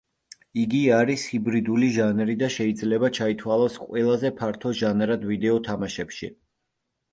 იგი არის ჰიბრიდული ჟანრი და შეიძლება ჩაითვალოს ყველაზე ფართო ჟანრად ვიდეო თამაშებში.